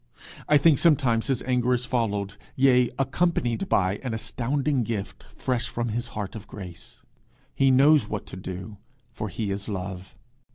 I think sometimes his anger is followed, yea, accompanied by an astounding gift, fresh from his heart of grace. He knows what to do, for he is love.